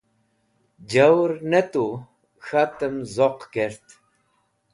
Jawẽr ne tu k̃hatẽm zoq kert.